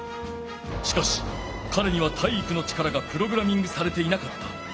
しかしかれには体育の力がプログラミングされていなかった。